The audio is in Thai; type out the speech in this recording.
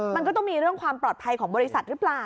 มันก็ต้องมีเรื่องความปลอดภัยของบริษัทหรือเปล่า